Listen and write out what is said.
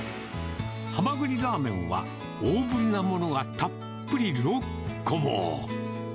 ハマグリラーメンは、大ぶりなものがたっぷり６個も。